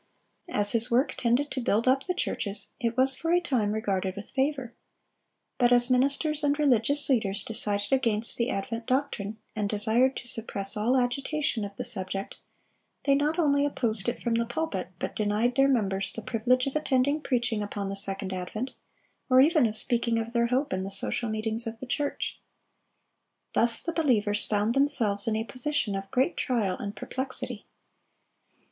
(619) As his work tended to build up the churches, it was for a time regarded with favor. But as ministers and religious leaders decided against the advent doctrine, and desired to suppress all agitation of the subject, they not only opposed it from the pulpit, but denied their members the privilege of attending preaching upon the second advent, or even of speaking of their hope in the social meetings of the church. Thus the believers found themselves in a position of great trial and perplexity.